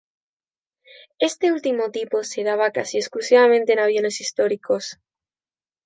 Este último tipo se daba casi exclusivamente en aviones históricos.